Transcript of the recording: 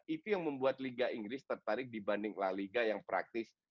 itu yang membuat liga inggris tertarik dibanding la liga yang praktis